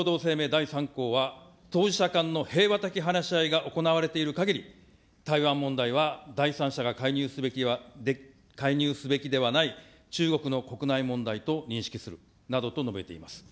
第３項は、当事者間の平和的話し合いが行われているかぎり、台湾問題は第三者が介入すべきではない、中国の国内問題と認識するなどと述べています。